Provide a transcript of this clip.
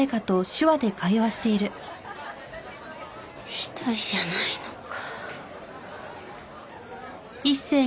１人じゃないのか。